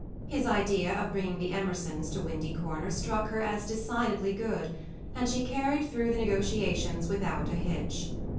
His idea of bringing the Emersons to Windy Corner struck her as decidedly good, and she carried through the negotiations without a hitch.